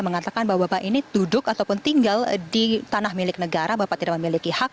mengatakan bahwa bapak ini duduk ataupun tinggal di tanah milik negara bapak tidak memiliki hak